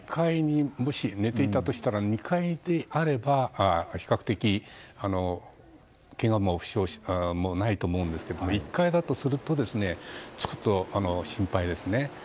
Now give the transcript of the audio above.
寝ていたとしたら２階であれば、比較的けがもないと思うんですけれども１階だとするとちょっと心配ですね。